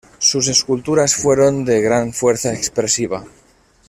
Sus esculturas fueron de gran fuerza expresiva.